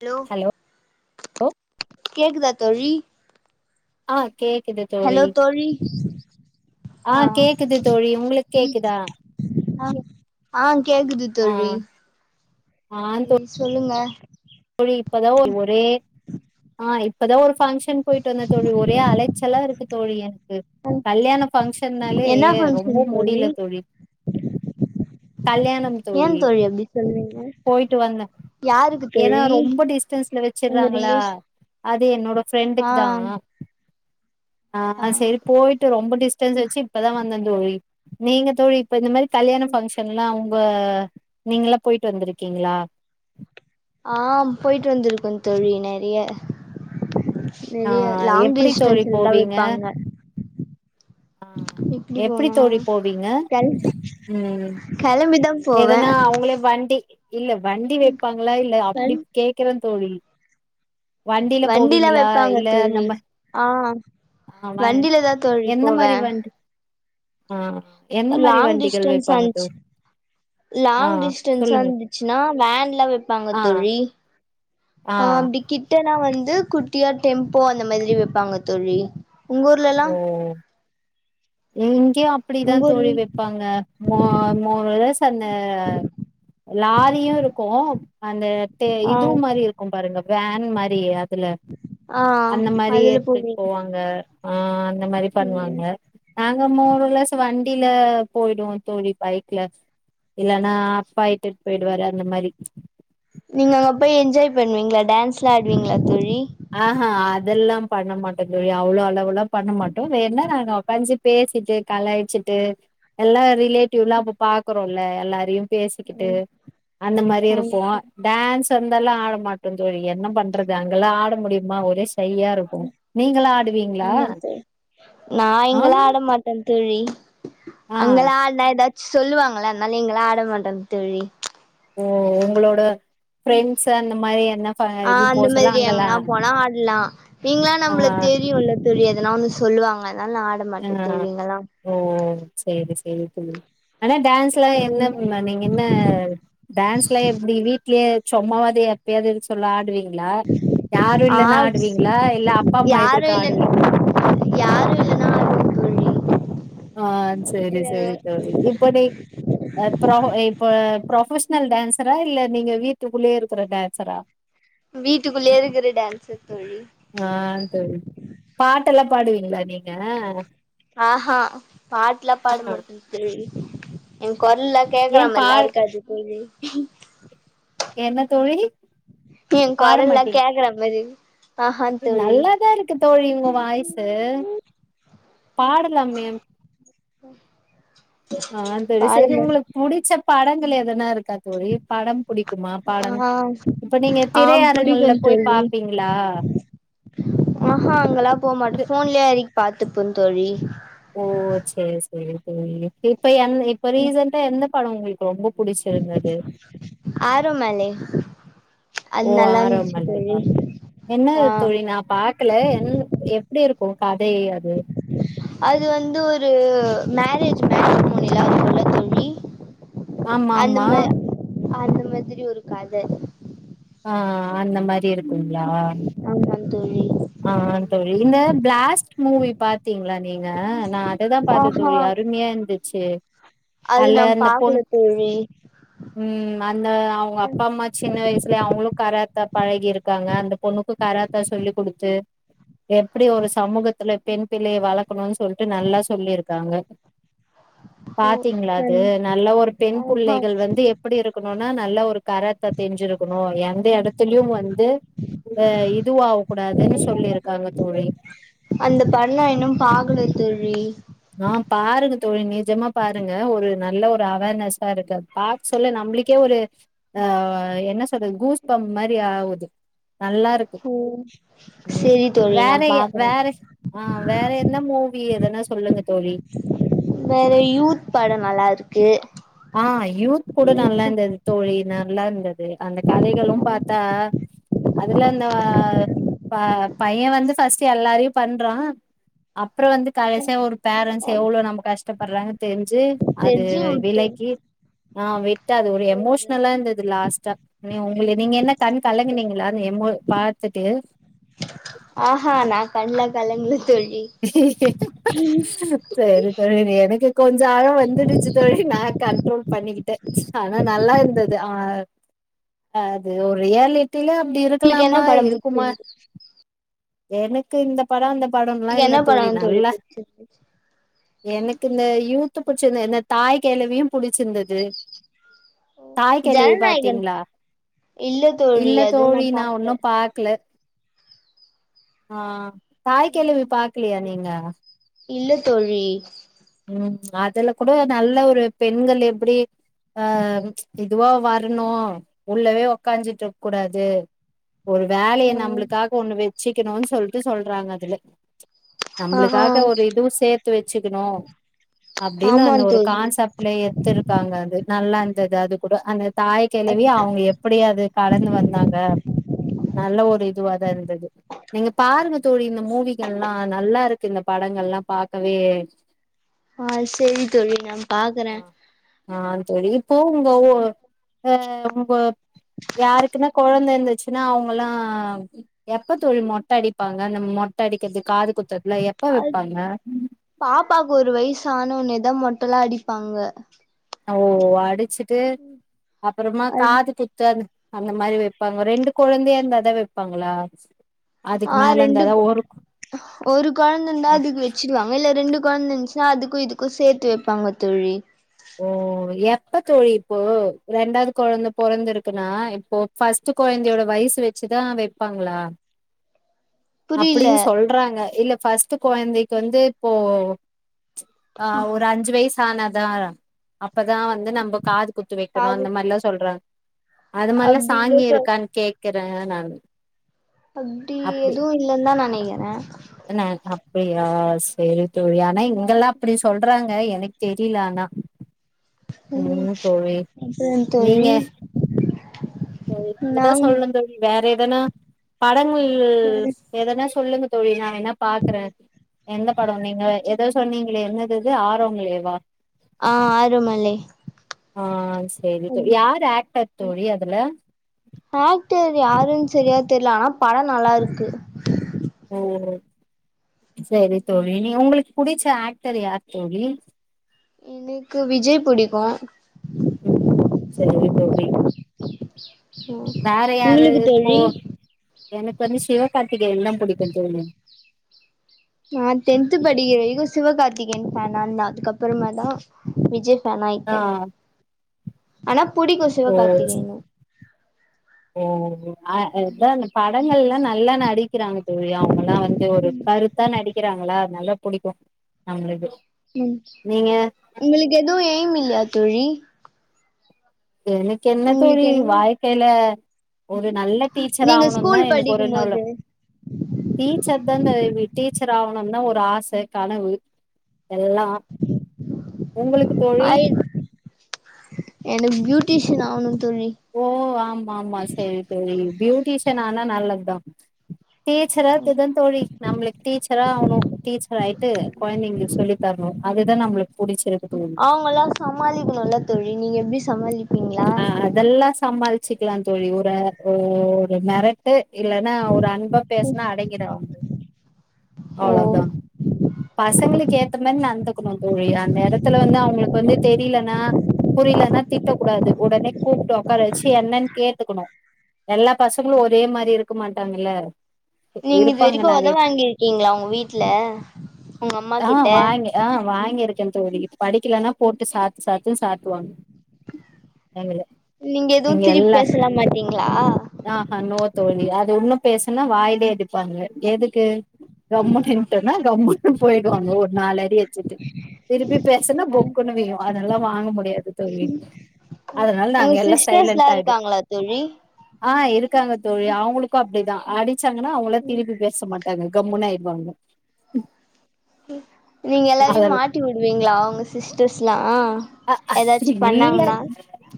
Hello கேக்குதா தோழி ஆஹ் ஹலோ தோழி ஆ ஆஹ் கேக்குது தோழி உங்களுக் கேக்குதா ஆ ஆ கேக்குது ஆ தோழி ஆ ம் சொல்லுங்க தோழி இப்பதான் ஒரே ஆஹ் இப்பதான் ஒரு ஃபங்க்ஷன் போயிட்டு வந்த தோழி ஒரே அலைச்சல்லா இருக்கு தோழி எனக்கு கல்யாண பங்க்ஷன்னாலே என்ன ரொம்ப ஃபங்க்ஷன் முடில தோழி ஏன் தோழி அப்டி சொல்றீங்க போயிட்டு வந்தே யாருக் ஏன்னா ரொம்ப டிஸ்டன்ஸ்ல வச்சிறாங்களா ரிலேஷ் அது என்னோட ஆ ஃப்ரெண்டுக்குதா ஆ ஆஹ் சேரி போயிட்டு ரொம்போ டிஸ்டன்ஸ் வெச்சு இப்பதா வந்த தோழி நீங்க தோழி இப்ப இந்த மாரி கல்யாண ஃப்ஷன்ல்லா நீங்க எல்லா போயிட்டு வந்திருக்கீங்களா ஆஹ் போயிட்டு வந்திருக்கோ தோழி நெறயா ஆ நெறய லாங் எப்டி தோழி டிஸ்டன்ஸ்லதா போவீங்க விப்பாங்க ஆ எப்படி எப்டி போனா தோழி போவீங்க கிள கிளம்பிதா எதுனா அவுங்களே வண்டி [inaudible] இல்ல வண்டி வெப்பாங்களா இல்ல அப்படி கேக்கற தோழி வண்டில வண்டியில போவீங்களா வெப்பாங்க இல்ல தோழி நம்ம ஆஹ் ஆ வ வண்டிலதா தோழி போவ ஆஹ் லாங் டிஸ்டன்ஸ் ஆந்துச்சு ஆ லாங் டிஸ்டன்ஸா சொல்லுங்க இருந்துச்சுன்னா வேன்ல்லா வெப்பாங்க ஆ தோழி ஆ ஆஹ் அப்படி கிட்டனா வந் குட்டியா டெம்போ அந்த மாதிரி வெப்பாங்க தோழி உங்க ஊர்ல எல்லா உம் இங்கேயு அப்படிதா ஊர்ல தோழி வெப்பாங்க மொ மொ ஸ் அந்த லாரியு இருக்கு அந்த ஆ இது மாரி இருக்கும் பாருங்க வேன் மாரி துல ஆ அந்த மாரி அதுல எடுத்துட்டு போவீங்க போவாங்க ஆ அந்த மாரி ம் பண்ணுவாங்க நாங்க [unintelligible] வண்டியில போயிடுவோ தோழி பைக்ல இல்ல ஆனா அப்பா இட்டுட்டு போயிடு வாரு அ இந்த மாரி நீங்க அங்க போய் என்ஜாய் பண்ணுவீங்களா டான்ஸ்லா ஆடுவீங்களா தோழி ஆஹ்ஹ் அதெல்லாம் பண்ண மாட்டந் தோழி அவ்ளோ அளவுல்லா பண்ண மாட்டோ வேனா நாங்க பஞ்சு பேசிட்டு கலாயிச்சிட்டு எல்லா ரிலேட்டிவ்லா அப்போ பாக்க இருக்கும்ல எல்லாரையும் பேசிக்கிட்டு ம் அந்த மாதிரி ஆமா இருப்போம் தோழி டான்ஸ் சந்தெல்லா ஆட மாட்டோ தோழி என்ன பண்றது அங்கல்லா ஆடு முடியுமா ஒரே ஷையாருக்கு நீங்கள்ளா ஆடுவீங்ளா ஆமா தோழி ஆஹ் தேழி அங்கல்லா ஆடுனா ஏதாச் சொல்லுவாங்கல்ல அதுனால இங்கள்ளா ஆட மாட்டே தோழி ஓ உங்களோட ஃப்ரெண்ட்ஸு அந்த மாரி என்ன ஃப இது ஆஹ் போ அந்த சொல்ல மாதிரி அங்கல்லா எங்கன்னா போனா ஆட்லா இங்கலா ஆ நம்ள தெரியுல்ல தோழி எதனா ஒன்னு சொல்லுவாங்க அதனால ஆட ஆ மாட்ட தோழி இங்கல்லா ஓ சேரி சேரி புல் ஆனா டான்ஸ்லா என்ன ம் ம்ன்ன நீங்க என்ன டான்ஸ்லா எப்டி வீட் க்லே சொம்மாவாது எப்பயாதிருக்க சொல்ல ஆடுவீங்க லா யாரு ஆ இல்லன்னா ஆடுவீங்ளா இல்ல அப்பா அம்மா யாரு எதிர்க்க இல்லன்னா ஆடுவீங்ளா யாரு இல்லன்னா ஆடுவே தோழி ஆஹ் சேரி இல்ல சேரி தோழி இப்ப நீ இப்போ நா இப்ப ப்ரொப்பெஸ் னல் டான்சரா இல்ல நீங்க வீட்டுக்குள்ளே இருக்குற டான்சரா வீட்டுக்குள்ளே இருக்குற டான்ஸர் தோழி பாடுவீங்ளா நீங்க ஆஹா பாட்லா ஆ பாட மாட்டே தோழி எ கொர்லா ஏன் பாட கேக்றாமேர்லார்க்காது தோழி என்ன தோழி எ பாட கொரல்லா மாட்டீங் கேக்கற மாதி நல்லாதா இருக்கு தோழி உங்க வாய்சு பாடலா மே ஹ்ம் ஆஹ் தெரி சேரி உங்களுக் புடிச்ச படங்கள் எதனா இருக்கா தோழி படம் புடிக்குமா படம் ஆ இப்ப நீங்க ஆ புடிக்கு திரையரங்கள்ல போய் தோழி பாப்பீங்ளா பாத்துப்ப தோழி ஓ செரி செரி தோழி இப்ப என் இப்போ ரீசன்டா எந்த படொ உங்களுக்கு ரொம்ப புடிச்சிருந்தது ஆரோமலே ஓ ஆரோமலியா ஆ என்னது தோழி நா பாக்கல என் எப் எப்படி இருக்கு அதே அது அது வந்து ஒரு மேரேஜ் மேரேஜ் மூவிலா இருக்கும்ல தோழி ஆமா அந்த ஆமா மா அந்த மாதிரி ஒரு கத ஆஹ் அந்த மாரி இருக் குங்க்ளா ஆஹ் ஆமா தோழி ஆஹ் தோழி இந்த பிளாஸ்ட் மூவி பாத்தீங்களான் நீங்க நா அததா பாத்த ஆஹா தோழி அருமையா இருந்துச்சு அது அல்ல நா அந்த பொன் பாக்கல தோழி உம் அந்த அவங்க அப்பா அம்மா சின்ன வயசு ல அவங்களு கராத்தா பழகி இருக்காங்க அந்த பொண்ணுக்கு கராத்தா சொல்லி கொடுத்து எப்டி ஒரு சமூகத்துல பெண் பிள்ளைய வளக்கணுன்னு சொல்ட்டு நல்லா சொல்லியிருக்காங்க ஓ பாத்தீங்களா அது நன் நல்ல ஒரு பெண் ஆஹா புள்ளைகள் வந்து எப்டி இருக்கனு னோனா நல்லா ஒரு காரத்த தெரிஞ்சிருக் கனு எந்த எடத்துலயு வந் து ஆ இது ஆக கூடாதுன்னு சொல்லியிருக்காங்க தோழி அந்த படோ இன்னு பாக்கல தோழி ஆஹ் பாருங்க தோழி நிஜமா பாருங்க ஒரு நல்ல ஒரு அவேர்னஸ்ஸா இருக்கு பாக்க சொல்ல நம்மளுக்கே ஒரு ஆஹ் என்ன சொல்றது கூஸ் பம் மாரி ஆவுது நல்லா இருக்கு ஓ உம் செரி தோழி நா வேற பாக்குறே வேற ஆஹ் வேற என மூவி எதனாச் சொல்லுங்க வேற யூத் படம் நல்லா இருக்கு ஆஹ் யூத் கூட நல்லா யூத்து இருந்தது தோழி நா நல்லா இருந்தது அந்த கதைகளு பாத்தா அதுல இந்த ப பைய வந்து ஃபஸ்ட் எல்லாரையு பண்றா அப் புற வந்து கடைசியா ஒரு பேரண்ட்ஸ் எவ்ளோ நம்ம கஷ்டப்படுறாங்க தெரிஞ் சு அது தெஜி விட்டு விலை கி ஆஹ் விட்டா அது ஒரு போயிரு எமோஷனலா இருந்தது லாஸ்ட்டா நீ உங்கள நீங்க என்ன கண் கலங்குனீங்களா அந்த எமோ பாத்துட்டு ஆஹ்ஹ நா கண்லா கலங்கள செரி தோழி எனக்கு கொஞ்ச அழ வந்துடுச்சு தோழி நா கண்ட்ரோல் பண்ணிக்கிட்டே ஆனா நல்லாருந்தது ஆஹ் அது ஒரு ரியாலிட் டில்ல அப்டி உங்களுக்கு என்ன இருக்கலாமா படம் இருக்குமா புடிச்சிருந்தது எனக்கு இந்த பட அந்த பட உங்களுக்கு என்ன பட தோழி புடிச்சு எனக்கு இந்த யூத் புடிச்சிருந்தது இந்த தாய் கெழவியு புடிச்சிருந்தது தாய் கெழவி ஜனநாயகன் பா்த்தீங்களா இல்ல தோழி இல்ல அதுவு தோழி நா பாக்கல ஒன்னு பாக்கல ஆஹ் தாய்க்கெழவி ம் இல்லையா நீங்க இல்ல தோழி உம் அதுல கூட நல்ல ஒரு பெண்கள் எப்படி ஆஹ் இதுவா வரணு உள்ளவே உக்காஞ்சிட்ருக்க கூடாது ஒரு வேலய ம் நம்மளுக்காக ஒண்ணு வ வச்சிக்கணுன்னு சொல்ட்டு சொல்றாங்க அதுல ஆ நம்மளுக்காக ஒரு இதுவு சேத்து வச்சுக்கணு அப்டின்னு ஆமா அந்த ஒரு தோழி கான்செப்ட்லயே எத்துருக்காங்க அது நல்லா அது அது கூட அந்த தாய் கெழவி அவங்க எப்படி அது கடந்து வந்தாங்க நல்ல ஒரு இதுவா தா இருந்தது நீங்க பாருங்க தோழி இந்த மூவிகள்ல்லா நல்லா இருக்கு இந்த படங்கள்லா பாக்கவே ஆஹ் செரி தோழி நா பாக்குறே ஆ தோழி அவங்க யாருக்குன்னா கொழந்தை இருந்துச்சுன்னா அவங்கல்லா எப்ப தோழி மொட்டை அடிப்பாங்க அந்த மொட்டை அடிக்கிறது காது குத்துதுற அது பாப்பாக்கு ஒரு வயசு ஆன ஒன்னதா மொட்டல்லா அடிப்பாங்க ஓ அடிச்சுட் விட்டு அப்பறமா காது குத்த அந்த மாதிரி வைப்பாங்க ரெண்டு குழந்தையா இருந்தாதா வைப்பாங்களா அதுக்கு ஆஹ் மேல ரெண்டு இருந்தாதா ஒரு ஒரு கொழந்த இருந்தா அதுக்கு வச்சிருவாங்க இல்ல ரெண்டு கொழந்த இந்துச்சுன்னா அதுக்கு இதுக்கு சேத்து வைப்பாங்க தோழி ஓ எப்ப தோழி இப்போ ரெண்டாவது கொழந்த பொறந்து இருக்குன்னா இப்போ பஸ்ட்டு கொழந்தையோட வயசு வச்சுதா வைப்பாங்களா புரியல அப்டின்னு சொல்றாங்க இல்ல பஸ்ட்டு கொழந்தைக்கு வந்து இப்போ ஆ ஒரு அஞ்சு வயசு ஆனாதா அப்பதா வந்து நம்ம காது குத்து வெக்கனு பாது அந்த மாரில்லா சொல்றாங் அது மாரிலா அப்டி இல்ல சாங்கிய தோ இருக்கான் கே க்கற நானு அப்டி எது இல் லன்தா நெனைக்கிற என்ன அப்படியா செரி தோழி ஆனா இங்கெல்லா அப்படி சொல்றாங்க எனக்கு தெரில ஆனா ம் லிசன் நீங்க தோழி தோழி நீங்கதா நாங் சொல்ணு தோழி வேற எதனா படங்கள் வேற எதனா சொல்லுங்க தோழி நா வேனா பாக்கற எந்த பட நீங்க எதோ சொன்னிங்களே என்னது அது ஆரோமலே வா ஆ ஆரோமலே ஆ செரி தோ யார் ஆக்டர் தோழி அதுல ஆக்ட்டர் யாருன் செரியா தெர்ல அனா படோ நல்லா இருக்கு செரி தோழி நீ உங்களுக்கு புடிச்ச ஆக்ட்டர் யார் தோழி எனக்கு விஜய் புடிக்கு ம் சேரி தோழி வேற யாரு உங்களுக்கு இப்போ தோழி எனக்கு வந்து சிவகார்த்திகேயன் தா புடிக்கு தோழி நா டென்த் படிக்கிறவரைக்கு சிவகார்த்திகேயன் பேனன்தா அதுக்கப்பறமா தா விஜய் பேனாயிட்ட ஆ அனா புடிக்கு ஓ சிவகார்த்திகேயன்ன ஓ ஓ ஆ இதா அந்த படங்கள்ல நல்லா நடிக்கறாங்க தோழி அவங்கல்லா வந்து ஒரு கருத்தா நடிக் கறாங்களா நல்லா புடிக்கு நம்ளுக்கு ம் உங்களுக்கு எதூ எய்ம் இல்லயா தோழி எனக்கென்ன உங்களுக்கு தோழி என்ன வாழ்க்கைல ஒரு நல்ல நீங்க டீச்சராவுனுந்தா ஸ்கூல் எனக்கு வேற படிக்கும் என்ன வேல போது டீச்சர்தாங்க டீச் டீச்சராவுனுன்தா ஒரு ஆச கனவு எல்லா உங்களுக்கு தோழி ஐ டீஸன் ஆவனோ ஓ ஆமா ஆமா செரி செரி ப்யூட்டிஷியன் ஆனா நல்லதுதா டீச்சரா இருக்கறதுதா தோழி நம்முளுக்கு டீச்சரா ஆவனோ டீச்சர் ஆயிட்டு கொழந்தைங்குளுக்கு சொல்லி தரணோ அது இதா நம்மளுக்கு புடிச்சிருக் அவுங்கலா சமாளிக்கணோல தோழி நீங்க எப்டி சமாளிப் ஆ அதெல்லா சமாள்ச் சிக்கலா தோழி ஒரு ஒ ஒரு மெரட்டு இல்லன்னா ஒரு அன்பா பேசனா அடங்கிறுவாங்க ஓ அவ்ளோதா பசங்களுக்கு ஏத்த மாரி நடந் த்துக்கணு தோழி அந்த எடத்துல வந்து அவுங்களுக்கு வந்து தெரிலனா புரிலனா திட்டக்கூடாது ஒடனே கூப்ட்டு ஒக்கார வெச்சு என்னன்னு கேட்டுக்கணோ எல்லா பசங்களு ஒரே மாரி இருக்க மாட்டாங்கல்ல. நீங்க இருப்பாங்க இதுவரைக்கோ ஒத நெறைய வாங்கிறுக்கீங்களா ஆ உங்க வீட்ல உங்க அம்மாகிட்ட க்க தோழி. படிக்கலன்னா போட்டு சாத்து சாத்துன்னு சாத்துவாங்க எதுவு நீங்க திருப்பி எல்லா பேசலா மாட்டீங்களா ஆஹா நோ தோழி அ ஒண்ணு பேசுனா வாய்லயே அடிப்பாங்க எதுக்கு கம்முன்னு நின்ட்டோனா கம்முன்னு போயிடுவாங்க ஒரு நாலு அடி அச்சுட்டு திருப்பி பேசுனா பொக்குனு வியூம் அதெல்லா வாங்க முடியாது தோழி அதனால உங்க நாங்க எல்லா சிஸ்டர்ஸ்லா சைலென்ட்டா ஆயிடுவோ. இருக்காங்களா தோழி ஆ இருக்காங்க தோழி அவுங்களுக்கு அப்டிதா அடி வெச்சாங்கன்னா அவுங்களே திருப்பி பேச மாட்டாங்க மூணாயிர்பாங்க நீங்க எல்லாரயு மாட்டி விடுவீங்களா உங்க சிஸ்டர்ஸ்லா அ ஏதாச்சு இல்ல பண்ணாங்கன்னா?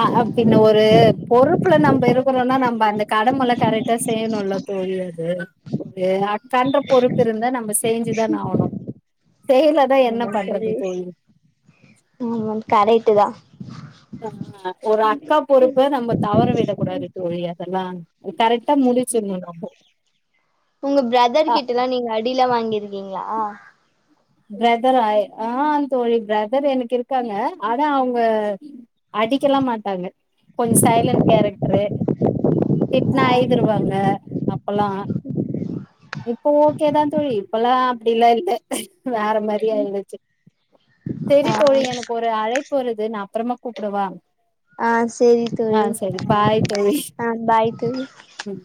ஆ பின்ன ஒரு பொறுப்புல நம்ம இருக்குறோனா நம்ம அந்த கடமல கரெக்டா செய்யணுல்ல தோழி அது அக்கான்ற பொறுப்பு இருந்தா நம்ம செஞ்சுதான ஆவணோ அதெல்லா செரி தோழி ஆ கரேட்டு தா ஆ ஒரு அக்கா பொறுப்ப நம்ம தவற விட கூடாது தோழி அதலா [unintelligible] உங்க ப்ரதர் ஆ கிட்டலா நீங்க அடியெலா வாங்கி ருக்கீங்களா ப்ரதரா ஆ தோழி ப்ரதர் எனக்கு இருக்காங்க ஆனா அவுங்க அடிக்கலா மாட்டாங்க கொஞ்சோ சைலன்டு கேரக்டரு திட்னா அழ்திருவாங்க. இப்பல்லா இப்போ ஓகேதா தோழி இப்பல்லா அப்டிலா இல்ல வேற மாரி ஆயிடுச்சு ஆ செரித்தொழி எனக்கு ஒரு அழைப் போறது நான் அப்பறமா கூப்டவா ஆஹ் செரி தோழி பாய் தோழி ஆஹ் பாய் தோழி ம்